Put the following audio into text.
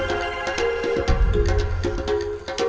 berelles populasi tersebut peduli kapallan dessa